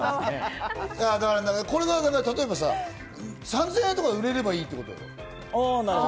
これが例えば３０００円とかで売れればいいってことでしょう？